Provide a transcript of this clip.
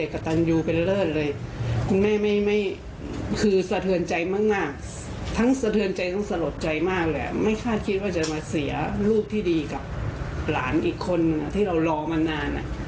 คุณแม่ต้องสะลดใจมากเลยไม่คาดคิดว่าจะมาเสียลูกที่ดีกับหลานอีกคนที่เรารอมานาน